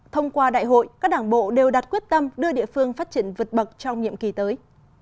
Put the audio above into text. thông qua đại hội các đảng bộ đều đặt quyết tâm đưa địa phương phát triển vượt bậc trong nhiệm kỳ tới